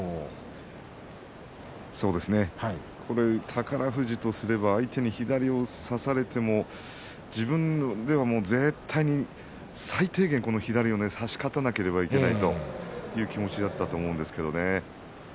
宝富士とすれば相手に左を差されて自分では絶対に、最低限左を差し勝たなければいけないという気持ちだったと思うんですけどね。